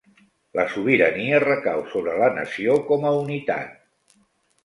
La sobirania recau sobre la Nació com a unitat.